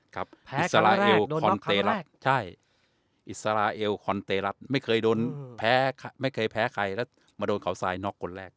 ครับแพ้ครั้งแรกโดนน็อกครั้งแรกใช่ไม่เคยโดนแพ้ไม่เคยแพ้ใครแล้วมาโดนเขาทรายน็อกคนแรก